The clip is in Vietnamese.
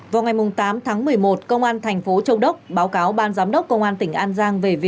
vào ngày tám tháng một mươi một công an tp châu đốc báo cáo ban giám đốc công an tỉnh an giang